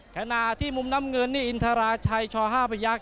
ขณะที่มุมน้ำเงินนี่อินทราชัยช๕พยักษ